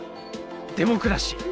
デモクラシー。